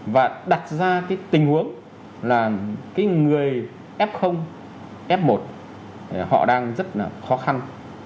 và đặt ra cái tình huống là cái người f f một họ đang rất là khó khăn